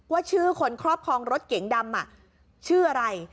ว่าชื่อคนครอบครองรถเก๋งดำชื่ออะไร